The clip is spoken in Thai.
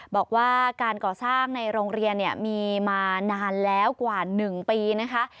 บอกว่าการก่อสร้างในโรงเรียนมีมานานแล้วกว่า๑ปีนะคะ